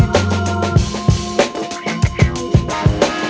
nggak ada yang denger